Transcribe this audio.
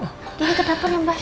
gini ke dapur ya mbak